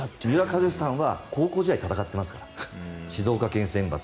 三浦知良さんは高校時代に戦っていますから。